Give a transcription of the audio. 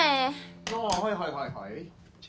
ああはいはいはい。